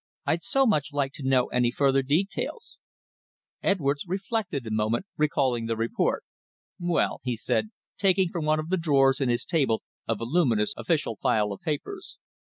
I'd so much like to know any further details." Edwards reflected a moment, recalling the report. "Well," he said, taking from one of the drawers in his table a voluminous official file of papers.